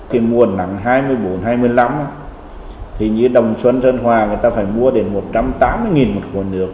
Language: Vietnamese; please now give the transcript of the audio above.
khi mua nặng hai mươi bốn hai mươi năm thì như đồng xuân dân hòa người ta phải mua đến một trăm tám mươi một khối nước